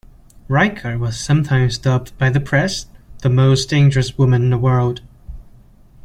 Rijker was sometimes dubbed by the press "The Most Dangerous Woman in the World".